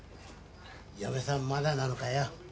嫁さんまだなのかよ？